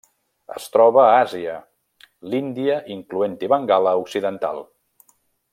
Es troba a Àsia: l'Índia, incloent-hi Bengala Occidental.